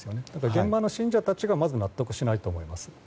現場の信者たちがまず納得しないと思います。